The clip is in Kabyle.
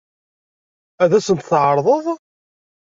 Ad as-ten-tɛeṛḍeḍ?